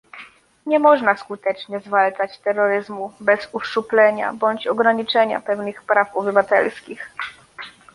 Nie można skutecznie zwalczać terroryzmu bez uszczuplenia bądź ograniczenia pewnych praw obywatelskich